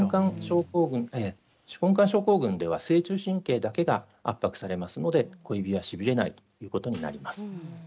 手根管症候群では正中神経だけが圧迫されますので小指はしびれないということになります。